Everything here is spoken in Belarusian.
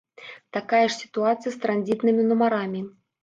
Такая ж сітуацыя з транзітнымі нумарамі.